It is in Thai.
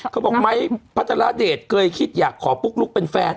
เขาบอกไม้พัทรเดชเคยคิดอยากขอปุ๊กลุ๊กเป็นแฟน